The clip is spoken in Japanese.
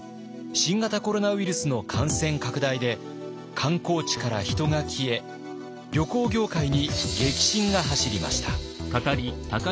新型コロナウイルスの感染拡大で観光地から人が消え旅行業界に激震が走りました。